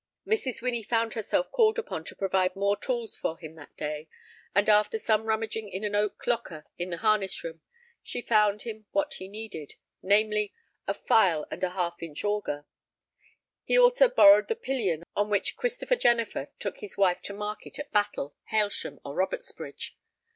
Mrs. Winnie found herself called upon to provide more tools for him that day, and after some rummaging in an oak locker in the harness room she found him what he needed—namely, a file and a half inch auger. He also borrowed the pillion on which Christopher Jennifer took his wife to market at Battle, Hailsham, or Robertsbridge.